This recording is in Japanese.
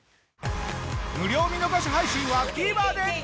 無料見逃し配信はＴＶｅｒで。